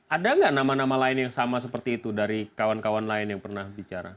ada nggak nama nama lain yang sama seperti itu dari kawan kawan lain yang pernah bicara